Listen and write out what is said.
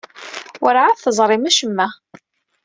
Werɛad teẓrim acemma.